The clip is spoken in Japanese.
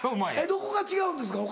どこが違うんですか？